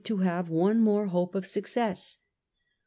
to have one more hope of success.